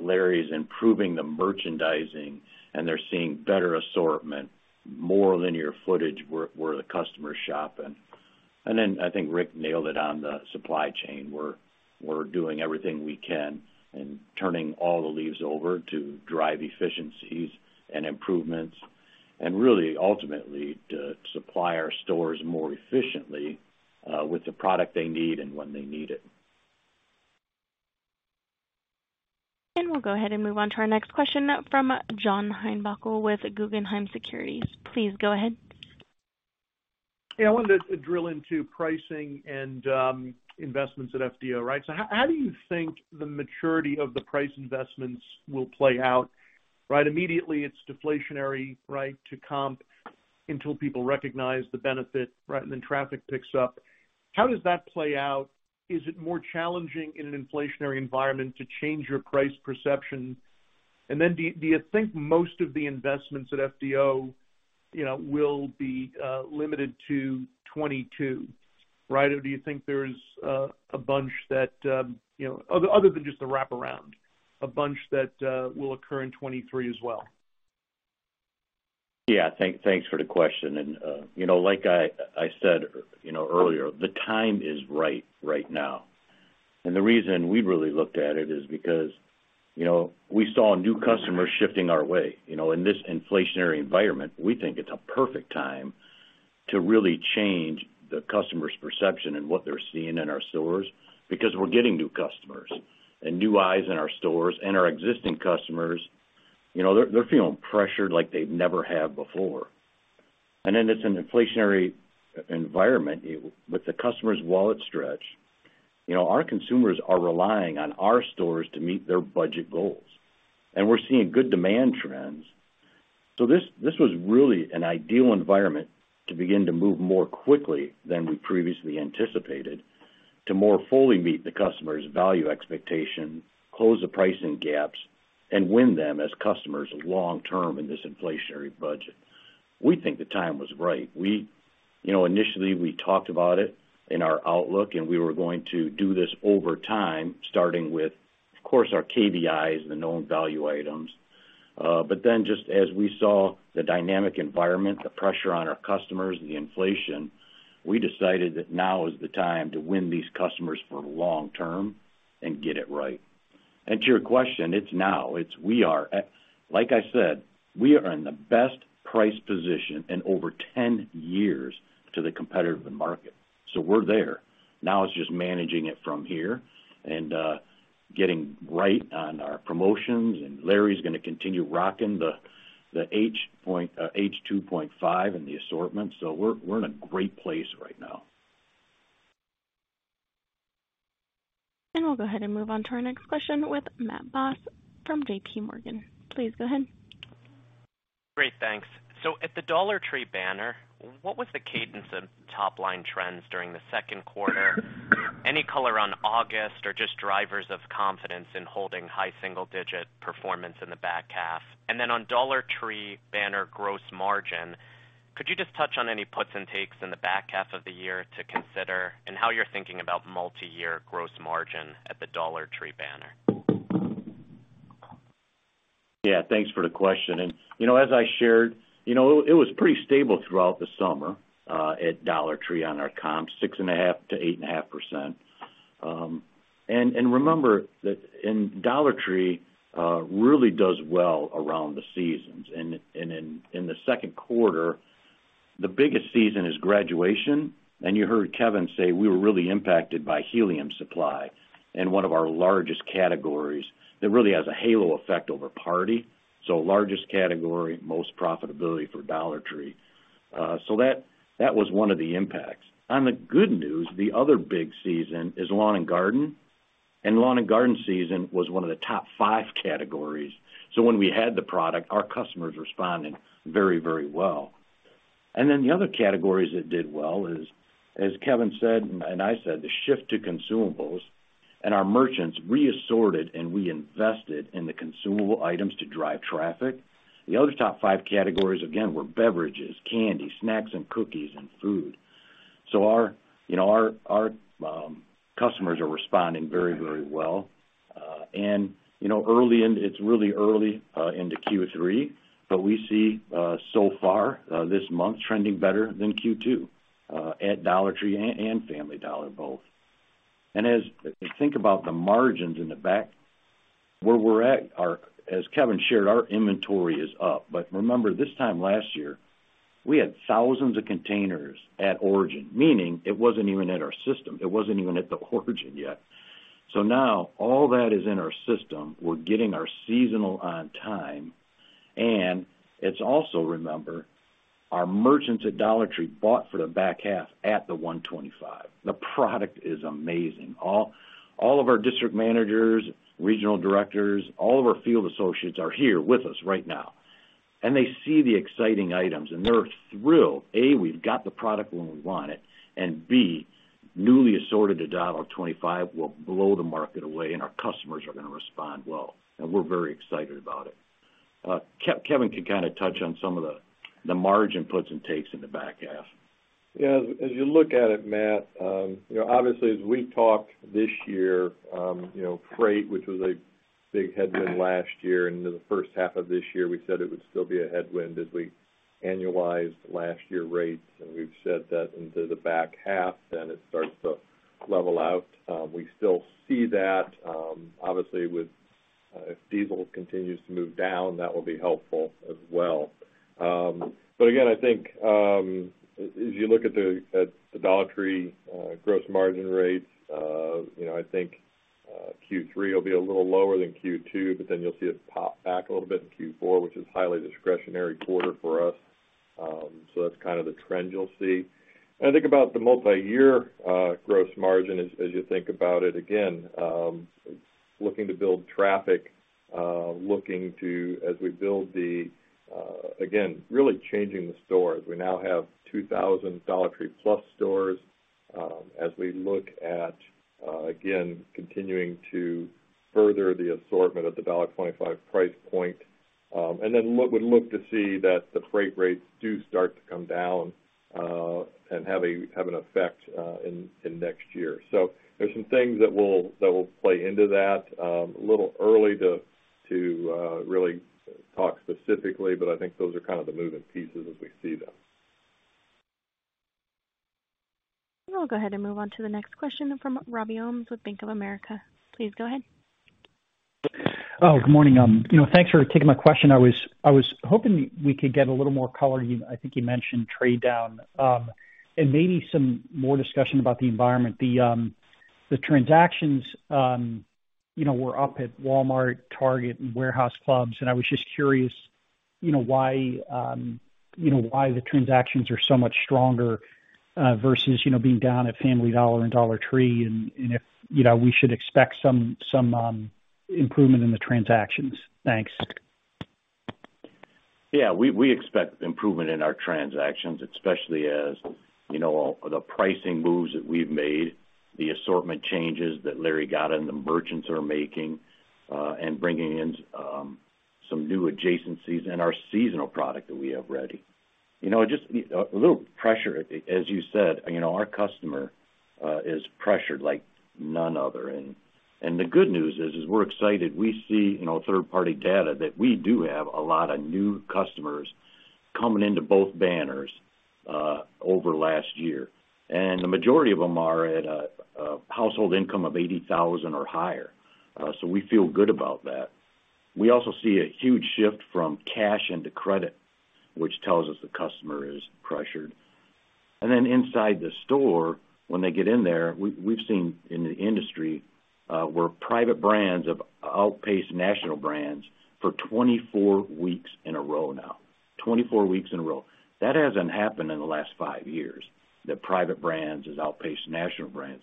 Larry's improving the merchandising, and they're seeing better assortment, more linear footage where the customers shop. Then I think Rick nailed it on the supply chain. We're doing everything we can and turning all the leaves over to drive efficiencies and improvements, and really ultimately to supply our stores more efficiently, with the product they need and when they need it. We'll go ahead and move on to our next question from John Heinbockel with Guggenheim Securities. Please go ahead. Yeah, I wanted to drill into pricing and investments at FDO, right? How do you think the maturity of the price investments will play out? Right immediately, it's deflationary, right, to comp until people recognize the benefit, right, and then traffic picks up. How does that play out? Is it more challenging in an inflationary environment to change your price perception? Do you think most of the investments at FDO, you know, will be limited to 2022, right? Or do you think there's a bunch that, you know, other than just the wraparound, a bunch that will occur in 2023 as well? Yeah. Thanks for the question. You know, like I said, you know, earlier, the time is right now. The reason we really looked at it is because, you know, we saw new customers shifting our way. You know, in this inflationary environment, we think it's a perfect time to really change the customer's perception and what they're seeing in our stores because we're getting new customers and new eyes in our stores. Our existing customers, you know, they're feeling pressured like they never have before. It's an inflationary environment with the customer's wallet stretch. You know, our consumers are relying on our stores to meet their budget goals. We're seeing good demand trends. This was really an ideal environment to begin to move more quickly than we previously anticipated to more fully meet the customer's value expectation, close the pricing gaps, and win them as customers long term in this inflationary budget. We think the time was right. You know, initially, we talked about it in our outlook, and we were going to do this over time, starting with, of course, our KVIs, the known value items. Just as we saw the dynamic environment, the pressure on our customers, the inflation, we decided that now is the time to win these customers for long term and get it right. To your question, it's now. Like I said, we are in the best price position in over 10 years to the competitive market. We're there. Now it's just managing it from here and getting right on our promotions. Larry's gonna continue rocking the H2.5 in the assortment. We're in a great place right now. We'll go ahead and move on to our next question with Matt Boss from JPMorgan. Please go ahead. Great. Thanks. At the Dollar Tree banner, what was the cadence of top-line trends during the Q2? Any color on August, or just drivers of confidence in holding high single-digit performance in the back half? On Dollar Tree banner gross margin, could you just touch on any puts and takes in the back half of the year to consider, and how you're thinking about multi-year gross margin at the Dollar Tree banner? Yeah, thanks for the question. You know, as I shared, you know, it was pretty stable throughout the summer at Dollar Tree on our comp, 6.5%-8.5%. Remember that in Dollar Tree really does well around the seasons. In the Q2, the biggest season is graduation. You heard Kevin say we were really impacted by helium supply, and one of our largest categories that really has a halo effect over party. Largest category, most profitability for Dollar Tree. That was one of the impacts. On the good news, the other big season is lawn and garden, and lawn and garden season was one of the top five categories. When we had the product, our customers responded very, very well. Then the other categories that did well is, as Kevin said, and I said, the shift to consumables and our merchants reabsorbed it, and we invested in the consumable items to drive traffic. The other top five categories, again, were beverages, candy, snacks and cookies, and food. Our, you know, customers are responding very well. You know, it's really early into Q3, but we see so far this month trending better than Q2 at Dollar Tree and Family Dollar both. Think about the margins in the back where we're at are, as Kevin shared, our inventory is up. Remember, this time last year, we had thousands of containers at origin, meaning it wasn't even in our system. It wasn't even at the origin yet. Now all that is in our system, we're getting our seasonal on time, and it's also, remember, our merchants at Dollar Tree bought for the back half at the $1.25. The product is amazing. All of our district managers, regional directors, all of our field associates are here with us right now, and they see the exciting items, and they're thrilled. A, we've got the product when we want it, and B, newly assorted to $1.25 will blow the market away and our customers are gonna respond well, and we're very excited about it. Kevin can kinda touch on some of the margin puts and takes in the back half. Yeah, as you look at it, Matt, you know, obviously, as we talked this year, you know, freight, which was a big headwind last year into the first half of this year, we said it would still be a headwind as we annualized last year rates, and we've said that into the back half, then it starts to level out. We still see that, obviously, with, if diesel continues to move down, that will be helpful as well. But again, I think, as you look at the, at the Dollar Tree, gross margin rates, you know, I think, Q3 will be a little lower than Q2, but then you'll see it pop back a little bit in Q4, which is a highly discretionary quarter for us. So that's kind of the trend you'll see. I think about the multiyear gross margin as you think about it, again, looking to build traffic, looking to as we build the, again, really changing the stores. We now have 2,000 Dollar Tree Plus stores, as we look at, again, continuing to further the assortment of the $1.25 price point, and then we look to see that the freight rates do start to come down, and have an effect in next year. There's some things that will play into that, a little early to really talk specifically, but I think those are kind of the moving pieces as we see them. We'll go ahead and move on to the next question from Robbie Ohmes with Bank of America. Please go ahead. Oh, good morning. You know, thanks for taking my question. I was hoping we could get a little more color. I think you mentioned trade down, and maybe some more discussion about the environment. The transactions, you know, were up at Walmart, Target, and warehouse clubs, and I was just curious, you know, why the transactions are so much stronger versus, you know, being down at Family Dollar and Dollar Tree, and if, you know, we should expect some improvement in the transactions. Thanks. Yeah, we expect improvement in our transactions, especially as, you know, the pricing moves that we've made, the assortment changes that Larry Gatta and the merchants are making, and bringing in some new adjacencies and our seasonal product that we have ready. You know, just a little pressure, as you said, you know, our customer is pressured like none other. The good news is we're excited. We see, you know, third-party data that we do have a lot of new customers coming into both banners over last year. The majority of them are at a household income of 80,000 or higher. So we feel good about that. We also see a huge shift from cash into credit, which tells us the customer is pressured. Then inside the store, when they get in there, we've seen in the industry where private brands have outpaced national brands for 24 weeks in a row now. 24 weeks in a row. That hasn't happened in the last five years, that private brands has outpaced national brands.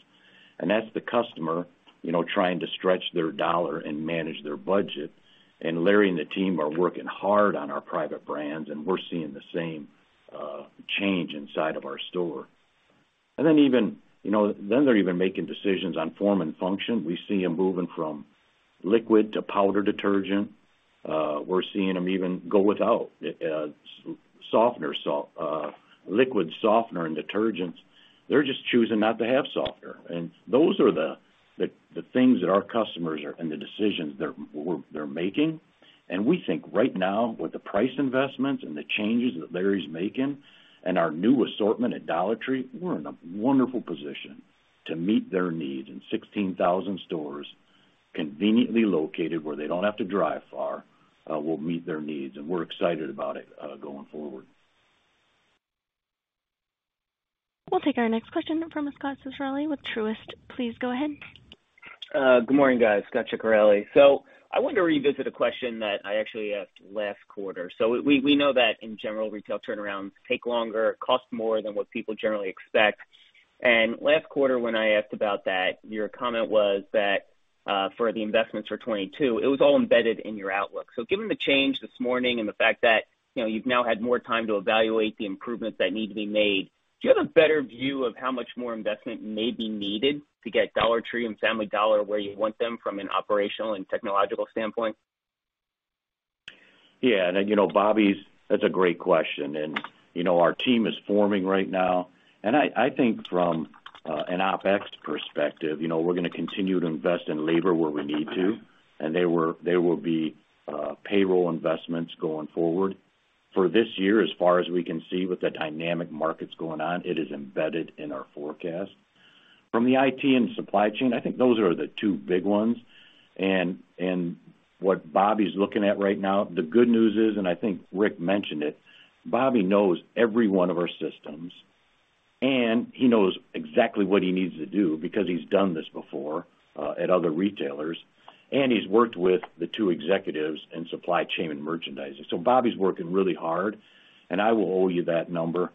That's the customer, you know, trying to stretch their dollar and manage their budget. Larry and the team are working hard on our private brands, and we're seeing the same change inside of our store. Then they're even making decisions on form and function. We see them moving from liquid to powder detergent. We're seeing them even go without softener salt, liquid softener and detergents. They're just choosing not to have softener. Those are the things that our customers are and the decisions they're making. We think right now, with the price investments and the changes that Larry's making and our new assortment at Dollar Tree, we're in a wonderful position to meet their needs in 16,000 stores conveniently located where they don't have to drive far, will meet their needs, and we're excited about it going forward. We'll take our next question from Scot Ciccarelli with Truist. Please go ahead. Good morning, guys. Scot Ciccarelli. I want to revisit a question that I actually asked last quarter. We know that in general, retail turnarounds take longer, cost more than what people generally expect. Last quarter, when I asked about that, your comment was that for the investments for 2022, it was all embedded in your outlook. Given the change this morning and the fact that, you know, you've now had more time to evaluate the improvements that need to be made, do you have a better view of how much more investment may be needed to get Dollar Tree and Family Dollar where you want them from an operational and technological standpoint? Yeah. You know, that's a great question. You know, our team is forming right now. I think from an OpEx perspective, you know, we're gonna continue to invest in labor where we need to, and there will be payroll investments going forward. For this year, as far as we can see with the dynamic markets going on, it is embedded in our forecast. From the IT and supply chain, I think those are the two big ones. What Bobby's looking at right now, the good news is, and I think Rick mentioned it, Bobby knows every one of our systems, and he knows exactly what he needs to do because he's done this before at other retailers, and he's worked with the two executives in supply chain and merchandising. Bobby's working really hard, and I will owe you that number,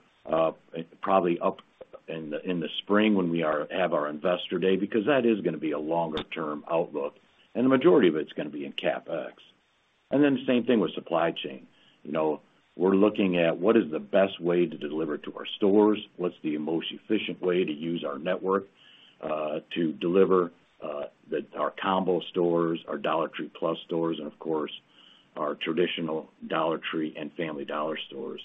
probably up in the spring when we have our Investor Day, because that is gonna be a longer-term outlook, and the majority of it's gonna be in CapEx. Then same thing with supply chain. You know, we're looking at what is the best way to deliver to our stores. What's the most efficient way to use our network to deliver our Combo Store, our Dollar Tree Plus! stores, and of course, our traditional Dollar Tree and Family Dollar stores.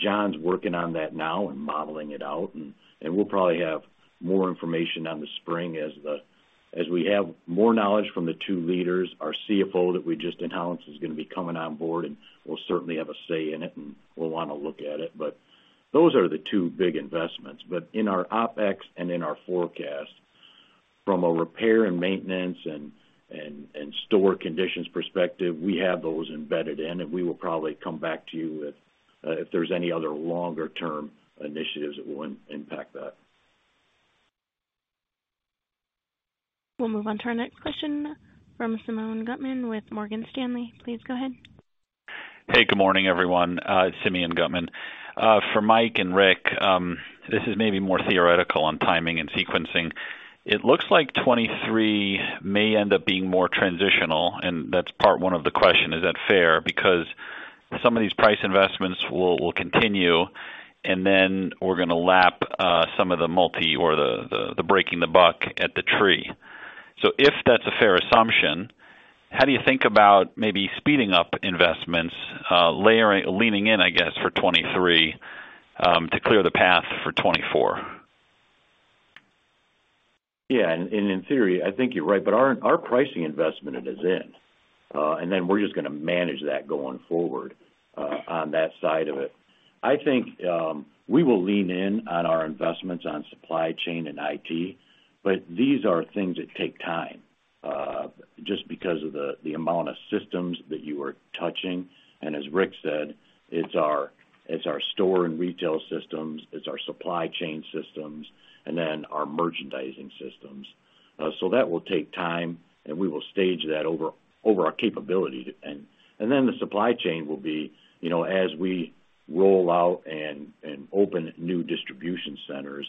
John's working on that now and modeling it out, and we'll probably have more information in the spring as we have more knowledge from the two leaders. Our Chief Financial Officer that we just announced is gonna be coming on board, and will certainly have a say in it, and we'll wanna look at it. Those are the two big investments. In our OpEx and in our forecast from a repair and maintenance and store conditions perspective, we have those embedded in, and we will probably come back to you with if there's any other longer-term initiatives that will impact that. We'll move on to our next question from Simeon Gutman with Morgan Stanley. Please go ahead. Hey, good morning, everyone. It's Simeon Gutman. For Mike and Rick, this is maybe more theoretical on timing and sequencing. It looks like 2023 may end up being more transitional, and that's part one of the question. Is that fair? Because some of these price investments will continue, and then we're gonna lap some of the multi or the breaking the buck at the Tree. If that's a fair assumption, how do you think about maybe speeding up investments, leaning in, I guess, for 2023, to clear the path for 2024? Yeah. In theory, I think you're right. But our pricing investment is in and then we're just gonna manage that going forward, on that side of it. I think we will lean in on our investments on supply chain and IT, but these are things that take time, just because of the amount of systems that you are touching. As Rick said, it's our store and retail systems, our supply chain systems, and then our merchandising systems. So that will take time, and we will stage that over our capability to end. Then the supply chain will be, you know, as we roll out and open new distribution centers,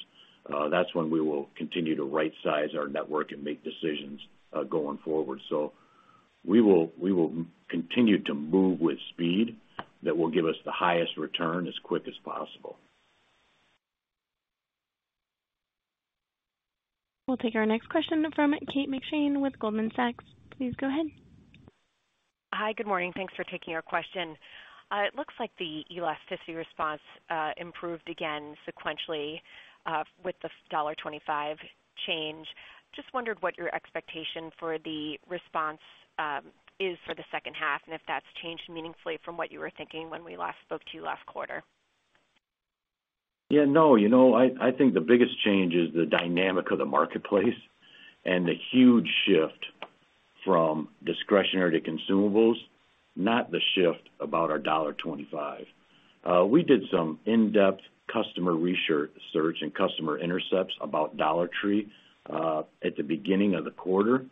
that's when we will continue to rightsize our network and make decisions, going forward. We will continue to move with speed that will give us the highest return as quick as possible. We'll take our next question from Kate McShane with Goldman Sachs. Please go ahead. Hi. Good morning. Thanks for taking our question. It looks like the elasticity response improved again sequentially with the $25 change. Just wondered what your expectation for the response is for the second half and if that's changed meaningfully from what you were thinking when we last spoke to you last quarter. Yeah. No. You know, I think the biggest change is the dynamic of the marketplace and the huge shift from discretionary to consumables, not the shift about our $1.25. We did some in-depth customer research and customer intercepts about Dollar Tree at the beginning of the quarter,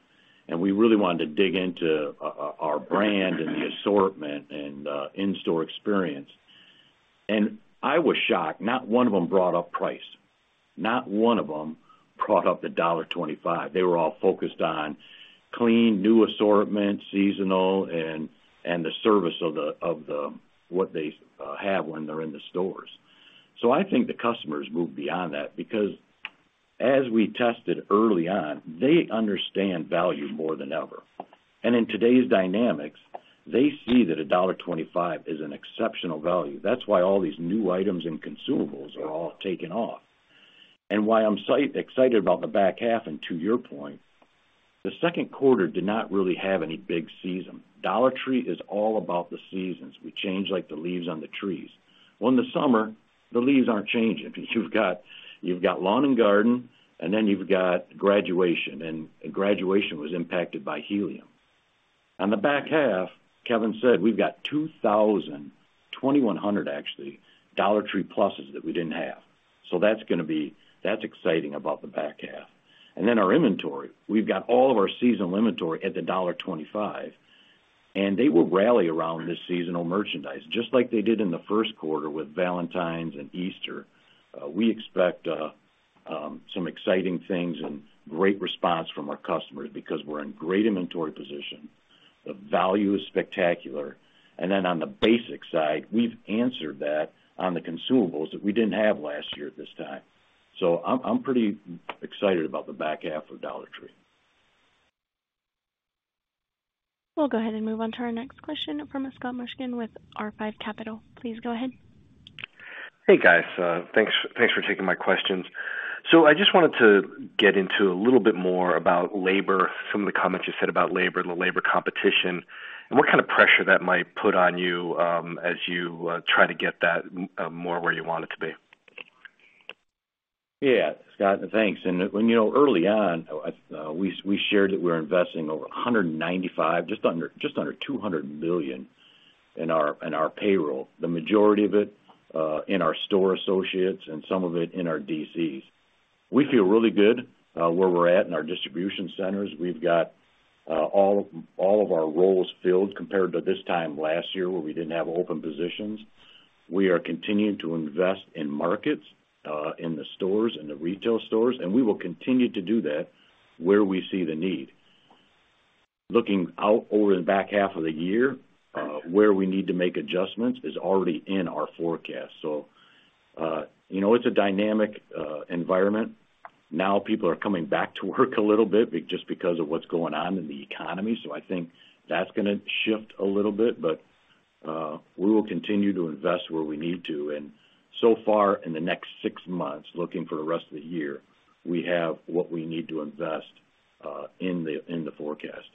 and we really wanted to dig into our brand and the assortment and in-store experience. I was shocked, not one of them brought up price. Not one of them brought up the $1.25. They were all focused on clean, new assortment, seasonal, and the service of what they have when they're in the stores. So I think the customers moved beyond that because as we tested early on, they understand value more than ever. In today's dynamics, they see that a $1.25 is an exceptional value. That's why all these new items and consumables are all taking off. Why I'm excited about the back half, and to your point, the Q2 did not really have any big season. Dollar Tree is all about the seasons. We change like the leaves on the trees. Well, in the summer, the leaves aren't changing. You've got lawn and garden, and then you've got graduation, and graduation was impacted by helium. On the back half, Kevin said we've got 2,100 actually Dollar Tree Pluses that we didn't have. That's gonna be that's exciting about the back half. Then our inventory, we've got all of our seasonal inventory at the $1.25, and they will rally around this seasonal merchandise just like they did in the Q1 with Valentine's and Easter. We expect some exciting things and great response from our customers because we're in great inventory position. The value is spectacular. Then on the basics side, we've answered that on the consumables that we didn't have last year at this time. I'm pretty excited about the back half of Dollar Tree. We'll go ahead and move on to our next question from Scott Mushkin with R5 Capital. Please go ahead. Hey, guys. Thanks for taking my questions. I just wanted to get into a little bit more about labor, some of the comments you said about labor and the labor competition, and what kind of pressure that might put on you, as you try to get that more where you want it to be. Yeah. Scott, thanks. You know, early on, we shared that we're investing over $195 million, just under $200 million in our payroll. The majority of it in our store associates and some of it in our DCs. We feel really good where we're at in our distribution centers. We've got all of our roles filled compared to this time last year where we didn't have open positions. We are continuing to invest in markets in the stores, in the retail stores, and we will continue to do that where we see the need. Looking out over the back half of the year, where we need to make adjustments is already in our forecast. You know, it's a dynamic environment. Now, people are coming back to work a little bit just because of what's going on in the economy, so I think that's gonna shift a little bit. We will continue to invest where we need to. So far in the next six months, looking for the rest of the year, we have what we need to invest in the forecast.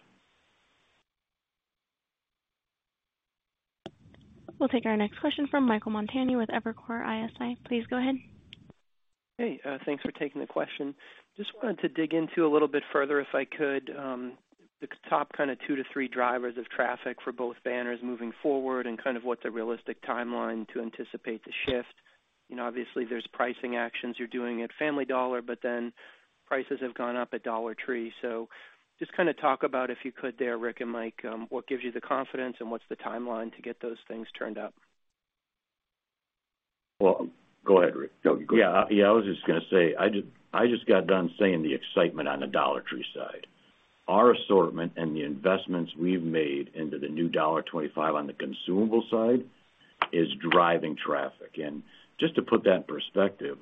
We'll take our next question from Michael Montani with Evercore ISI. Please go ahead. Hey, thanks for taking the question. Just wanted to dig into a little bit further, if I could, the top kind of 2-3 drivers of traffic for both banners moving forward and kind of what the realistic timeline to anticipate the shift. You know, obviously, there's pricing actions you're doing at Family Dollar, but then prices have gone up at Dollar Tree. Just kind of talk about, if you could there, Rick and Mike, what gives you the confidence and what's the timeline to get those things turned up. Go ahead, Rick. No, you go ahead. Yeah. Yeah, I was just gonna say, I just got done saying the excitement on the Dollar Tree side. Our assortment and the investments we've made into the new $1.25 on the consumable side is driving traffic. Just to put that in perspective,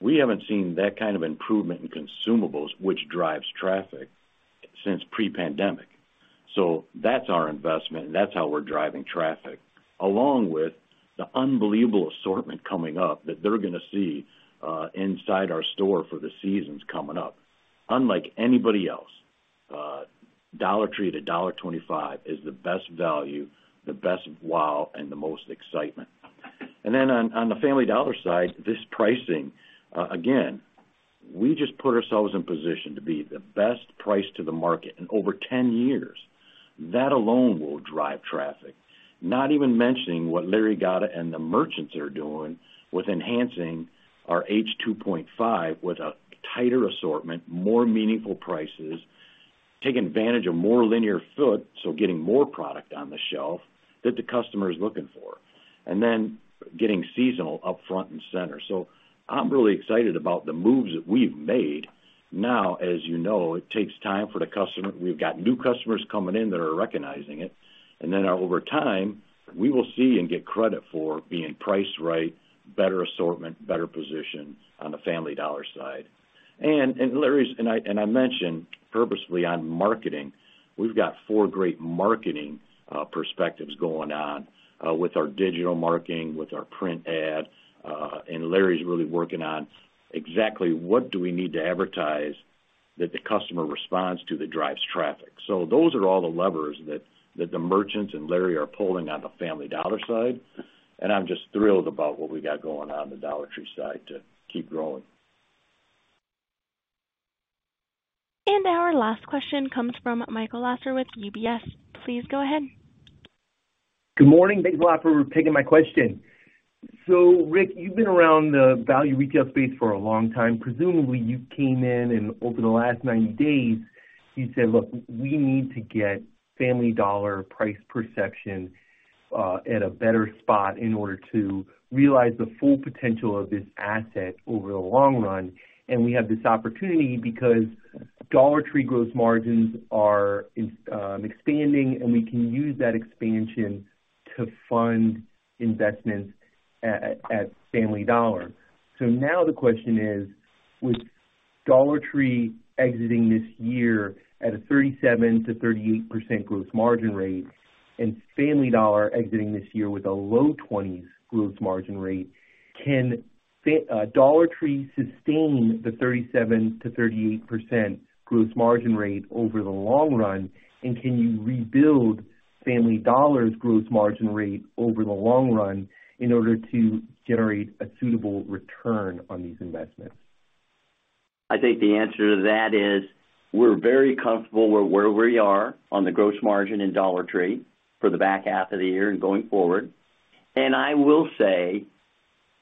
we haven't seen that kind of improvement in consumables, which drives traffic, since pre-pandemic. That's our investment, and that's how we're driving traffic, along with the unbelievable assortment coming up that they're gonna see inside our store for the seasons coming up. Unlike anybody else, Dollar Tree at a $1.25 is the best value, the best wow, and the most excitement. Then on the Family Dollar side, this pricing, again, we just put ourselves in position to be the best price to the market in over 10 years. That alone will drive traffic. Not even mentioning what Lawrence Gatta and the merchants are doing with enhancing our H2.5 with a tighter assortment, more meaningful prices, taking advantage of more linear foot, so getting more product on the shelf that the customer is looking for. Getting seasonal up front and center. I'm really excited about the moves that we've made. Now, as you know, it takes time for the customer. We've got new customers coming in that are recognizing it, and then over time, we will see and get credit for being priced right, better assortment, better position on the Family Dollar side. I mentioned purposely on marketing, we've got four great marketing perspectives going on with our digital marketing, with our print ad, and Larry's really working on exactly what do we need to advertise that the customer responds to that drives traffic. Those are all the levers that the merchants and Larry are pulling on the Family Dollar side, and I'm just thrilled about what we got going on in the Dollar Tree side to keep growing. Our last question comes from Michael Lasser with UBS. Please go ahead. Good morning. Thanks a lot for taking my question. Rick, you've been around the value retail space for a long time. Presumably, you came in and over the last 90 days, you said, "Look, we need to get Family Dollar price perception at a better spot in order to realize the full potential of this asset over the long run. We have this opportunity because Dollar Tree gross margins are expanding, and we can use that expansion to fund investments at Family Dollar." Now the question is: With Dollar Tree exiting this year at a 37%-38% gross margin rate and Family Dollar exiting this year with a low 20s% gross margin rate, can Dollar Tree sustain the 37%-38% gross margin rate over the long run? Can you rebuild Family Dollar's gross margin rate over the long run in order to generate a suitable return on these investments? I think the answer to that is we're very comfortable with where we are on the gross margin in Dollar Tree for the back half of the year and going forward. I will say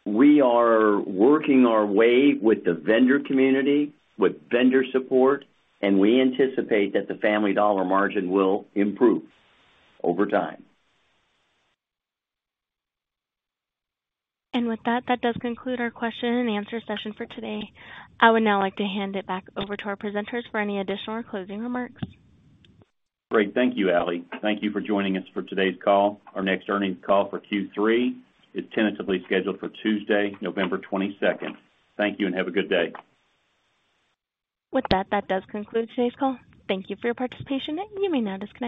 we are working our way with the vendor community, with vendor support, and we anticipate that the Family Dollar margin will improve over time. With that does conclude our Q&A session for today. I would now like to hand it back over to our presenters for any additional or closing remarks. Great. Thank you, Ally. Thank you for joining us for today's call. Our next earnings call for Q3 is tentatively scheduled for Tuesday, November twenty-second. Thank you, and have a good day. With that does conclude today's call. Thank you for your participation, and you may now disconnect.